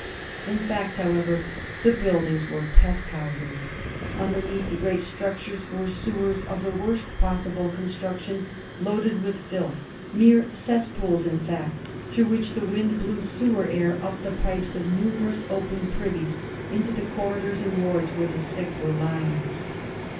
In fact, however, the buildings were pest houses. Underneath the great structures "were sewers of the worst possible construction, loaded with filth, mere cesspools, in fact, through which the wind blew sewer air up the pipes of numerous open privies into the corridors and wards where the sick were lying."